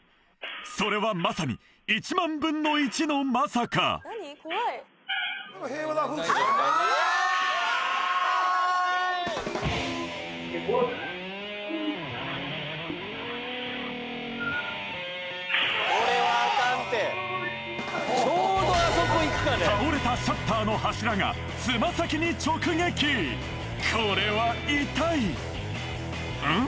それはまさに１万分の１のまさか倒れたシャッターのこれは痛いうん？